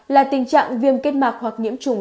là tình trạng viêm kết mạc hoặc nhiễm trùng